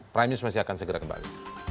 prime news masih akan segera kembali